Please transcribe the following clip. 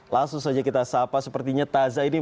langsung saja kita sapa sepertinya taza ini